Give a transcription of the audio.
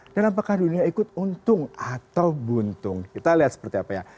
dan apakah dunia ikut untung atau buntung kita lihat seperti apa ya